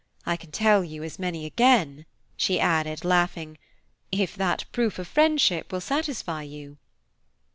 I can tell you as many again," she added, laughing, "if that proof of friendship will satisfy you."